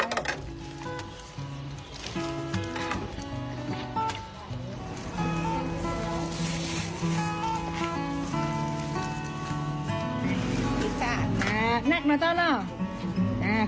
มีหมูมีเคร็ดไล่หมูมีลูกชิ้นเนื้อ